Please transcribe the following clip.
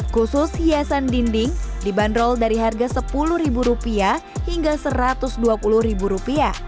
khusus hiasan dinding dibanderol dari harga sepuluh rupiah hingga satu ratus dua puluh rupiah